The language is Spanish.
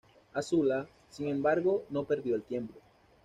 Azula, sin embargo, no perdió el tiempo.